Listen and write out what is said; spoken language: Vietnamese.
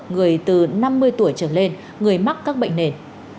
người từ năm mươi tuổi trở lên người mắc các bệnh nền